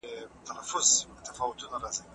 د پنبې څخه د جامو جوړولو هنر څنګه پرمختګ وکړ؟